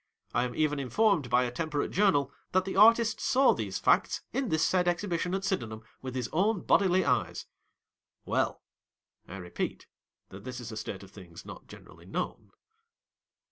I am even informed by a temperate journal, that the artist saw these facts, in this said Exhibition at Syden ham, with his own bodily eyes. "Well ! I repeat, this is a state of things not generally known.